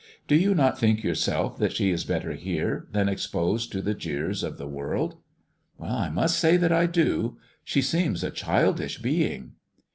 Do you not think yo\u*self that she is better here than exposed to the jeers of the world 1 " "I must say that I do. She seems a childish being."